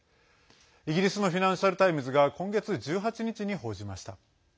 イギリスのフィナンシャル・タイムズが今月１８日に報じました。